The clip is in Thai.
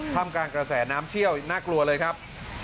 ทำกลางกระแสน้ำเชี่ยวน่ากลัวเลยครับ